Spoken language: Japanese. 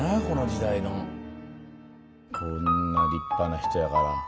この時代の。こんな立派な人やから。